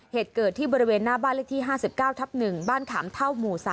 เหตุเกิดที่บริเวณหน้าบ้านเลขที่๕๙ทับ๑บ้านขามเท่าหมู่๓